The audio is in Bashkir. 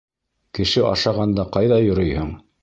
— Кеше ашағанда ҡайҙа йөрөйһөң?